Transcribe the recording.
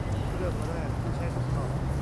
เครื่องแรกที่ใช้ทดสอบ